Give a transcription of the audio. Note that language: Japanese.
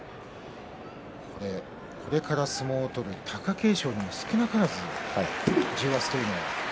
これから相撲を取る貴景勝にも少なからず重圧というのは。